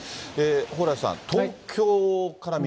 蓬莱さん、東京から南。